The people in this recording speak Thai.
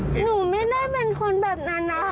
หนูไม่ได้เป็นคนแบบนั้นนะคะ